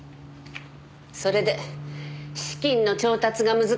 それで資金の調達が難しくなった。